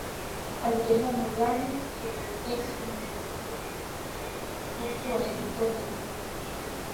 Alitembea mezani kuielekea simu alipoiangalia kwenye kioo alitambua kuwa ulikuwa ni ujumbe